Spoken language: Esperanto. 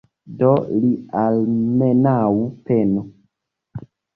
Do li almenaŭ penu.